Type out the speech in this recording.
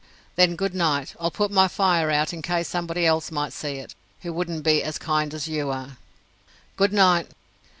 "Then good night. I'll put my fire out, in case somebody else might see it, who wouldn't be as kind as you are." "Good night."